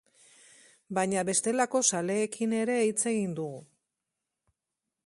Baina bestelako zaleekin ere hitz egin dugu.